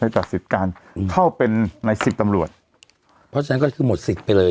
ตัดสิทธิ์การเข้าเป็นในสิบตำรวจเพราะฉะนั้นก็คือหมดสิทธิ์ไปเลย